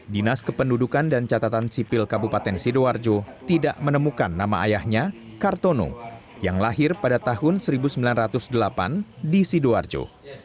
dinas kependudukan dan catatan sipil kabupaten sidoarjo tidak menemukan nama ayahnya kartono yang lahir pada tahun seribu sembilan ratus delapan di sidoarjo